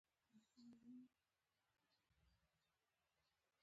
ما وکتل چې هغه خپل پلار سره خبرې کوي